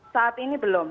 saat ini belum